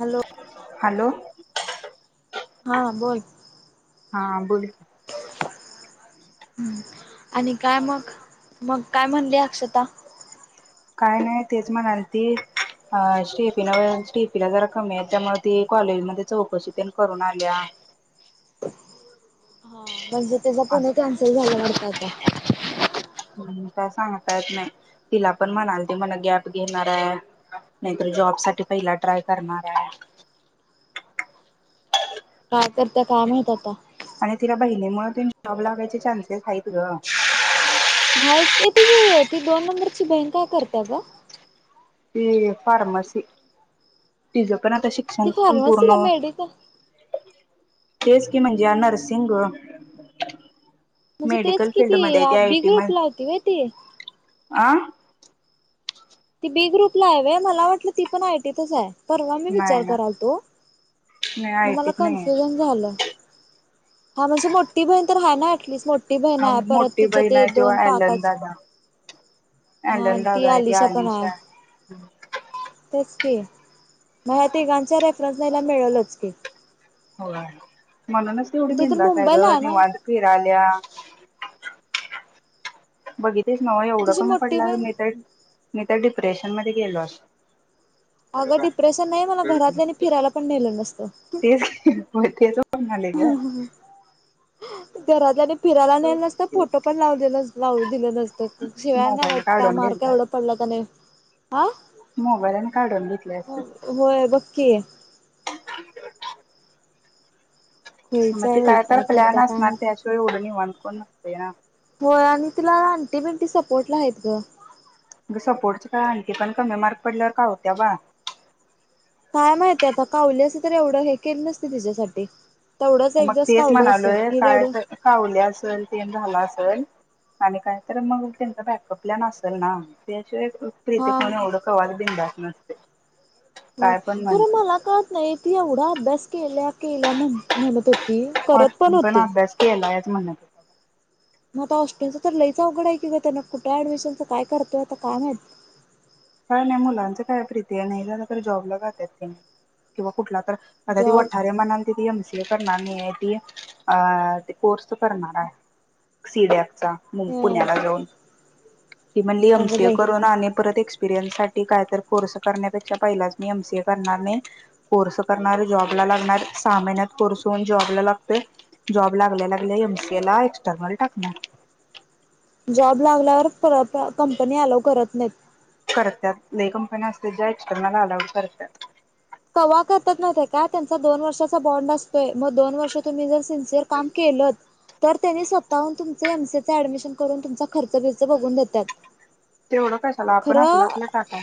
Hello hello हा बोल हा बोल ह आणि काय मग, मग काय म्हणली अक्षता. काय नाही तेच म्हणाल ती अ स्टेफीन स्टेफीला जरा कमी याच्यामुळ ती कॉलेजमध्ये चौकशी तेन करून आलिया. हा म्हणजे त्याचा पुणे कॅन्सल झाला वाटत. [unintelligible] काय सांगता येत नाही तिला पण म्हणाल, ती म्हण गॅप घेणार आहे, नाहीतर जॉब साठी पहिला ट्राय करणार आहे. काय करत्या काय माहित आता. आणि तिला बहिणी मुळ तेन जॉब लागायचे चान्सेस आहेत ग. हायचकी तिची ती दोन नंबरची बहीण काय करते ग? ती फार्मसी तिचं. पण आता ती शिक्षण पण फार्मसीला पूर्ण. मेडिकल तेच की म्हणजे नर्सिंग ग म्हणजे तेच ती बी ग्रुप ला होती वय ती. आ ती बी ग्रुप ला आहे वय मला वाटलं ती पण आयटीतच आहे. परवा मी विचार नाही ना कराल तो नाही मग मला आयटीत नाही आहे कन्फ्युजन झालं. हा म्हणजे मोठी बहीण तर आहे याटलिस्ट मो ठी बहिण परत मोठी तिच्या बहीण ते आहे तेव्हा दोन अलन काकाची दादा हा ती आलीशा पण. आहे ईशा तेच की मग ह्या तिघांच्या रेफरन्स ला हिला मिळलच की. [unintelligible] म्हणूनच ती एवढी तर बिंदास आहे मुंबईला गं ना निवांत फिरालिया. [unintelligible] [unintelligible] तुझी मोठी बहीण त्या डिप्रेशन मध्ये गेलो अस अगं डिप्रेशन नाही मला घरातल्या नी फिरायला पण नेलं नसतं. तेच [unintelligible] त्या राजाने फिरायला नेलं नसतं फोटो पण लाव दिलं लावू दिल नसतं. शिव्या मोबाईल द्यायल्यात का काढून मार्क घेतलास एवढा पडला का नाही. आ मोबाईलने काढून घेतले असते. होय बघ की. स खुळीच मग आहे ते बाई काय तर करत्या प्लॅन काय असणार माहित. त्या शिवाय एवढा निवांत कोण नसते ना. हो आणि तिला ऑंटी बिंटी सपोर्टला आहेत ग. सपोर्टच काय आंटी पण कमी मार्क पडल्यावर कावत्या बाळ. काय माहिती आता कावली असती तर एवढं हे केलं नसती तिच्यासाठी. तेवढंच एक मग दिवस तेच कावली असेल म्हणालोय ही काय रडून तर कावली असल तेच झाल आसंल. आणि काहीतर मग त्यांचा बॅकअप प्लॅन असल ना. ते [unintelligible] प्रीते हा एवढ कोण बिनधास्त नसते. [inaudible] काय पण खरं म्हणतो मला कळत नाही ती एवढा अभ्यास केल्या केल्या म्हण म्हणत होती करत [unintelligible] पण होती अभ्यास केलायचं म्हण. मग आता हॉस्टेलच तर लईच अवघड आहे कि त्याना कुठे अडमिशनच काय करतोय आता काम माहित. काय नाही मुलाचं काय प्रीते नई झालं तर जॉब का जात्यात की कुठला तर आता ती जॉब वाठारे म्हणालती की एम सी ए करणार नाहीये ती अ ती कोर्स करणार हाय. सी डी चा पुण्याला अ जाऊन. ती म्हणली एम अगं सी ए बाई करून आणि परत एक् एपिरयन्स साठी कायतर कोर्स करण्यापेक्षा पहिलाच मी एम सी ए करणार नाही. कोर्स करणार, जॉब ला लागणार सहा महिन्यात कोर्स होऊन जॉबला लागतोय. जॉब लागल्या लागल्या एम सी ए ला एक्स्टर्नल टाकनार. जॉब लागल्यावर परत कंपनी अलाव करत नाहीत. करत्यात लई कंपन्या असतील ज्या एक्स्टर्नल अलाऊड करत्यात. कवा करतात माहितेका त्यांचा दोन वर्षाचा बॉन्ड असतोय. मग दोन वर्ष तुम्ही जर सिन्सिअर काम केलंत तर त्यांनी स्वतःहून तुमचे एम सी चे ऍडमिशन करून तुमचा खर्च बिर्च बघून देत्यात. तेवढं कशाला आपण आपलं आपलं टाका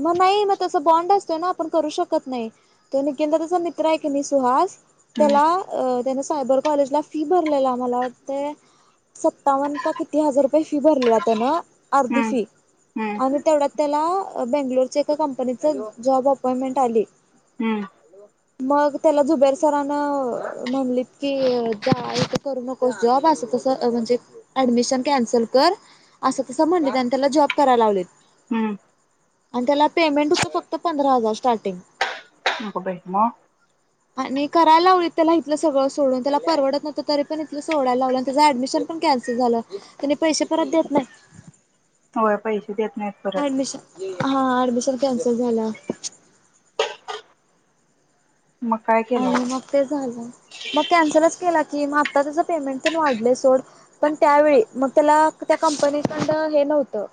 मग नाही मग तस बॉन्ड असतोय ना आपण करू शकत नाही तो निखिल दादा चा मित्र आहे की नाही सुहास हम्म त्याला अ त्याच्यासा सायबर कॉलेजला फी भरलेला. मला वाटतय सत्तावन्न का किती हजार रुपये फी भरलेला त्यानं अर्धी हम्म फी हम्म आणि तेवढ्यात त्याला बंगलोरच्या एका कंपनीच जॉब अपॉइंटमेंट आली. हम्म. मग त्याला जुबेर सरानं म्हणलीत की जा इथं करू नकोस जॉब असं तसं म्हणजे ऍडमिशन कॅन्सल कर, असं तसं म्हणलीत आणि त्याला जॉब करायला लावलीत. हम्म. आणि त्याला पेमेंट होतं फक्त पंधरा हजार स्टार्ट अग बई मग? आणि करायला लावलीत त्याला इथलं सगळं सोडून. त्याला परवडत नवतं तरी पण इथलं सोडायला लावलं, आणि त्याचं ऍडमिशन पण कॅन्सल झालं. त्यानी पैसे परत देत नाहीत. होय पैसे देत नाहीत परत. हा ऍडमिशन कॅन्सल झालं. मग काय केलं आणि मग ते झालं. मग कॅन्सलच केला की मग आता त्याच पेमेंट तेन वाढलय सोड. पण त्यावेळी, मग त्याला त्या कंपनीकड हे नव्हतं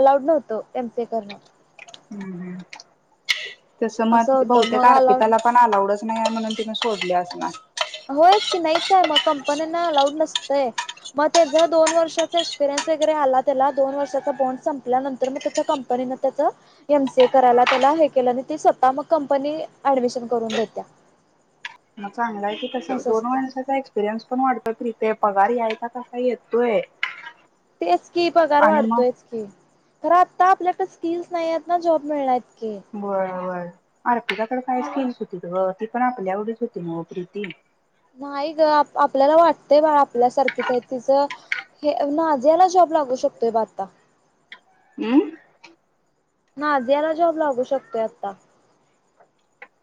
अलाउड नव्हतं एम सी ए करणं. हम्म हम्म. तसं असं मग होतं बहुतेक मग अलाउड अर्पिताला पण अलाउडच नाहीय म्हणून तिनं होयच की नाही मग कंपन्याना अलाउड नसतय. मग त्याच दोन वर्षाचा एक्सपिरियन्स वैगरे आला त्याला, दोन वर्षाचा बॉन्ड संपल्यानंतर मग त्याच्या कंपनीने त्याच एम सी ए करायला त्याला हे केलं ते स्वतः मग कंपनी ऍडमिशन करून देत्या. चांगलाय की तस. असं दोन असतं माणसाचा एक्सपिरियन्स पण वाढतं फ्री ते पगार यायचा कसा येतोय. तेच की, पगार आणि मग वाढतोयच की. तर आत्ता आपल्याकडे स्किल्स नाही आहेत ना, जॉब मिळण्या बरोबर. अर्पिताकड काहीच स्किल्स होतीत ग, ती पण आपल्या एवढीच होती नव प्रीती? नाही ग आपल्याला वाटतय बाळ आपल्यासारखीच आहे, तिचं हे नजियाला जॉब लागू शकतोय ब आता. हम्म. नाजियाला जॉब लागू शकतोय आता.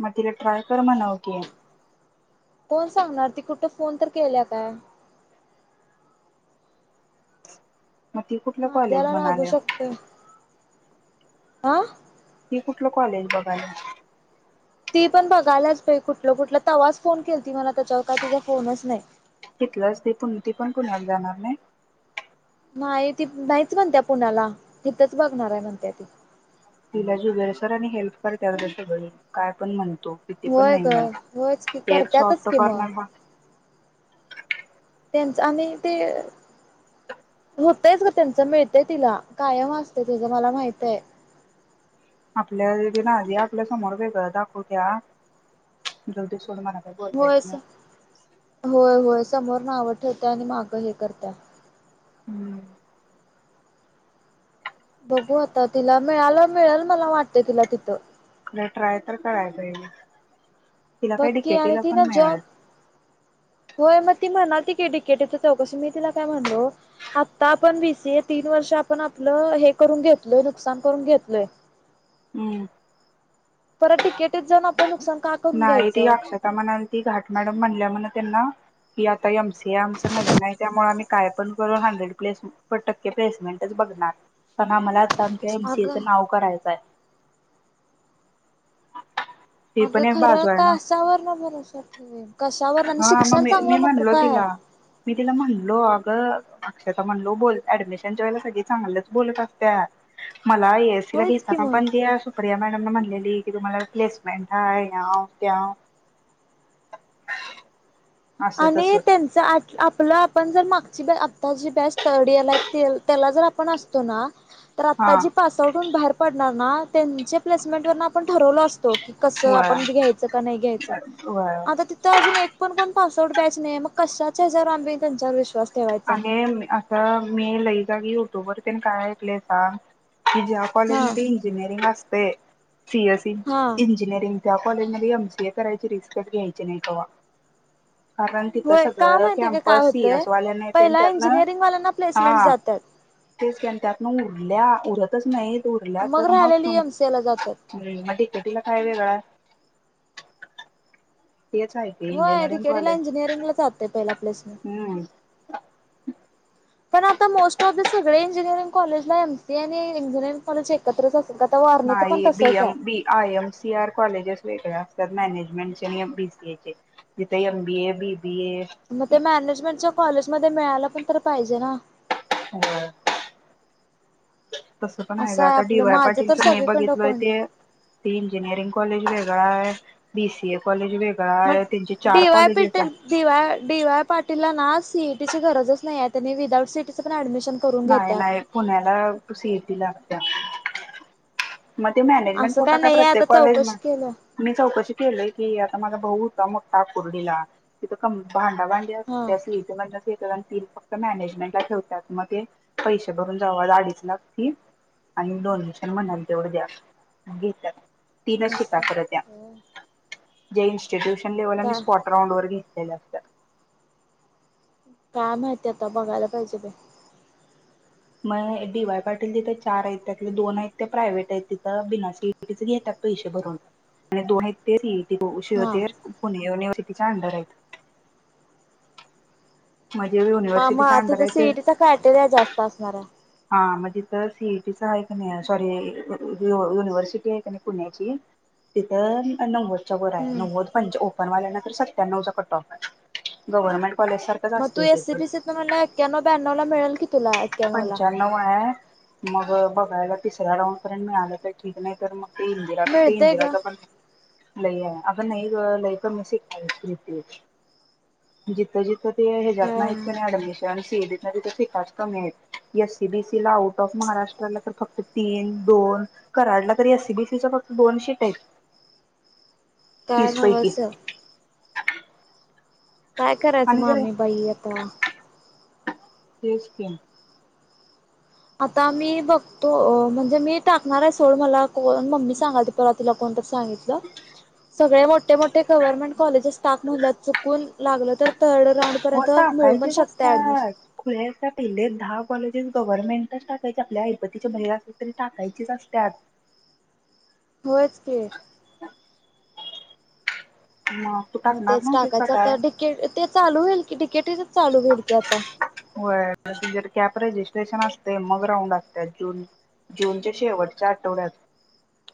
मग तिला ट्राय कर म्हणव की. कोण सांगणार, ती कुठं फोन तर केल्या काय. मग ती कुठलं कॉलेज नाजियाला लागू म्हणाल्या शकतोय. आं? ती कुठलं कॉलेज बघाल्या? ती पण बघाल्याच बई कुठलं कुठलं, तवाच फोन केलती मला त्याच्यावर काय तिचा फोनच नाही. तिथलंच ते, ती पण पुण्याला जाणार नाही? नाही ती नाहीच म्हणतीया पुण्याला, हितच बघणार आहे म्हणत्या ती. तिला जुबेर सर आणि हेल्प करत्यात ग सगळी, काय पण म्हण किती पण होय नाही ग होयच की, एक करत्यातच सॉफ्ट की म. कॉर्नर त्यांच आणि ते होतयच ग त्यांच मिळतय तिला, कायम असतंय लागलं तिझ मला माहितय. आपल्या बी नाजी आपल्या समोर वेगळं दाखवत्या. जाऊदे सोड म्हण होय सर होय, होय, समोर. नाव ठेवत्या आणि मागं हे करत्या. हम्म! बघू आता तिला मिळाला, मिळेल मला वाटते तिला तिथं. नाही ट्राय तर कराय पाहिजे. तिला काय बककी आणि डिकेटीला त पण ना मिळाल जॉब होय म ती म्हणा डिकेटीच चौकशी मी तिला काय म्हणलो आता आपण बीसीए तीन वर्ष आपण, आपलं हे करून घेतल नुकसान करून घेतलय हम्म! परत डिकेटी जाणा. नाही ती अक्षता म्हणालती घाट मॅडम म्हणल्या म्हण. त्यांना की आता एम सी आमच नवीन आहे त्यामुळे आम्ही काय पण करू, हंड्रेड प्लेस टक्के प्लेसमेंटच बघणार पण आम्हाला. आमच्या अगं एमसीएचं नाव करायचं आहे. ती अगं पण एक खरं बाजू आहे ना कासावर न भरोसा ठेवेन कस हा मग मी म्हणलो तिला मी तिला म्हणलो अगं अक्षता म्हणलो बोल ऍडमिशनच्या वेळेला सगळी चांगलच बोलत असत्यात मला ए एसी ला होयच की घेताना मग पण त्या सुप्रिया मॅ म्हणलेली की तुम्हाला प्लेसमेंट हाय ह्यांव त्यांव आणि त्यांच आ आपलं आपण जर मा ची ब आत्ताची बॅच थर्ड इयर ला आहे. ते त्याला जर आपण असतो ना तर हा आत्ताजी पास आउट होऊन बाहेर पडणार ना तेंचे प्लेसमेंट वर ना आपण ठरवलो असतो की कस होय आपण घ्यायचं का नाही घ्यायचं, होय आता तिथं अजून एक पण कोण बॅच नाही मग कशाच्या हेच्यावर आमीबी त्यांच्यावर विश्वा अमी आता मी लई जागी तोबरतीन काय ऐकलंय सांग. की ज्या हा काॅलेजमध्ये इंजिनियरिंग अस पे सीएस इनच हा इंजिनीअरिंग. त्या काॅलेजमधे एम सीए करायची रिस्कच घ्यायची नाही कवा. कारण तिथं होय का सगळं माहितीय का काय कॅम्पस सी होतंय एस वाल्यांना पहिला त्यातन इंजिनिअरिंग वाल्यांना प्लेसमेंट हा जातात. तेच त्यां त्यातन उरल्या. उरतच नाहीत. उरल्या तर मग राहिलेली तुम एमसीए ला जातात म डी के टी काय वेगळ आहे. आहे की होय डी के टी ला इंजिनिअरिंग ला जातं पहिला. प्लेसमेंट. हूं पण आता मोस्टऑफ द सगळे इंजिनिअरिंग कॉलेजला एम सी आणि इंजिनिअरिंग कॉलेज एकत्रच असत नाही B M B I M C R colleges वेगळेया अस मॅनेजमेंट चे आणि म बी सी ए चे तिथे एम बी ए बी बी ए म ते मॅनेजमेंटच्या कॉलेजमध्ये मिळायला पण तर पाहिजे ना. होय तसं पण आहे ग असं आता डी आपलं वाय माझं पाटील तर च मी सगळीकडं बघितलय कोंड ते ते इंजिनिअरिंग कॉलेज. वेगळ आहे बी सी ए कॉलेज. वेगळा मग आहे त्यांचे चार डी वाय कॉलेजेस पेटील, आहे डी वाय पाटीलला ना सीईटीची गरजच नाही. विदाऊट सिएटीच पण ऍडमिशन. करून नाही, घेतात. नाही पुण्याला तू सी ए टी ला. [inaudible] म ते मॅनेजमेंट असं कोटा काय नाही आहे आता प्रत्येक कॉलेज म चौकशी केलं मी चौकशी केलीय की. भाऊ होता मोठा आकुर्डीला तिथ क भा हा [unintelligible] फक्त मॅनेजमेंट ला ठेवतात म ते पैसे भरून जावा अडीच लाख फी आणि डोनेशन म्हणाली. तेवढं जास्त घेतात. तीनच शीटा असं खर त्या. जयश! ट्यूशन लेवल आणि काय स्पोट राऊंड वर घे [unintelligible] काय माहिती आता बघायला पाहिजे बाई. मग डी वाय पाटील तिथं चार आहेत, त्यातली दोन आहेत ते प्रायव्हेट आहेत, तिथं बिना सी ई टीच घेतात पैसे भरून आणि दोन आहेत ते सी ई हा [unintelligible] अंडर आहेत. म्हणजे मामा युनिव्हर्सिटीच्या अंडर तिथ आहे ते सी ई टीचा कायटेरिया जास्त असणार आहे. हा म तिथं सी ई टीचं आहे का नाही सॉरी युव युनिव्हर्सिटी आहे का नाही पुण्याची तिथं नव्वद च्या वर आहे हम्म नव्वद पंच ओपनवल्या ना. सत्याण्णवचा पण टॉप आहे गव्हर्मेंट. मग तू एसीबीसीतन म्हणल्याव एक्क्याण्णव ब्याण्णोला मिळेल की तुला. एक्क्याण्णव ला पंचान्नव आहे म. बघायला तिसरा राऊंड पर्यंत मीळालं तर ठीक नाही तर मग. तिन तेरा मिळतय ग तिनतेराचापण लई आहे अग नाही ग लई पण अस घेते जिथं जि तर ते ह्याच्यात काय नाहीत कनाय ऍडमिशन्स केली तरी ती खास कमी आहेत. एससीबीसीला आउट ऑफ महाराष्ट्राला तर फक्त तीन दोन कराडला तर एससीबीसीच्या फक्त दोन शीट आहेत. त्या तीस पैकी नव्हस काय करायचं आणि मग जर आम्ही बाई आता तेच की आता मी बघतो म्हणजे मी टाकणार ये सोड मला कोण मम्मी सांगाल त परवा तिला कोणतरी सांगितलं सगळे मोठ मोठे मोठे गव्हर्मेट कॉलेजेस टाक म्हणल्यात चुकून लागलं तर थर्ड राऊंड हो पर्यंत मिळू पण टाकायचेच शकते असतात ऍडमिशन [unintelligible] कॉलेजेस गव्हर्नमेंटच टाकायची आपल्या ऐपतीच्या बाहेर असले तरी टाकायचेच असत्यात होयच की मग तू म टाकणार तेच नव्हतीस का टाकायच काय आता डिके ते चालू होईल की डिकेटीच चालू होईल की आता व्हय प्रोसिजर कॅप राहील. विश्लेषण असतय मग राऊंड असत्यात जून जूनच्या शेवटच्या आठवड्यात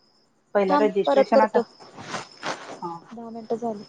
पहिला थांब परत रजिस्ट्रेशन आता करतो हा दहा मिनिटं झाली.